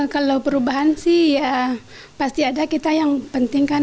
kalau perubahan sih ya pasti ada kita yang penting kan